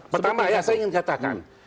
pertama ya saya ingin katakan